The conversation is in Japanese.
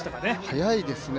速いですね